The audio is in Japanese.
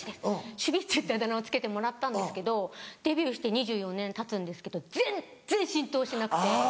シュビッチってあだ名を付けてもらったんですけどデビューして２４年たつんですけど全然浸透しなくて。